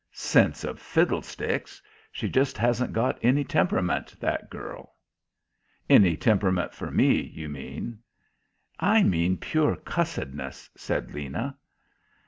"Sense of fiddlesticks. She just hasn't got any temperament, that girl." "Any temperament for me, you mean." "I mean pure cussedness," said Lena.